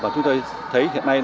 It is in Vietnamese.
và chúng tôi thấy hiện nay